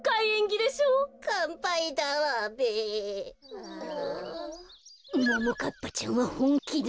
こころのこえももかっぱちゃんはほんきだ。